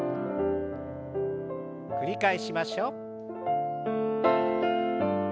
繰り返しましょう。